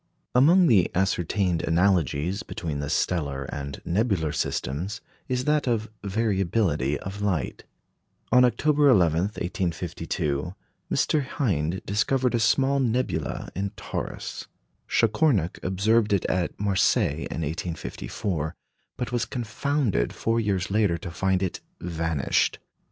Among the ascertained analogies between the stellar and nebular systems is that of variability of light. On October 11, 1852, Mr. Hind discovered a small nebula in Taurus. Chacornac observed it at Marseilles in 1854, but was confounded four years later to find it vanished.